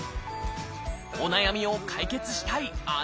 お悩みを解決したいあなた。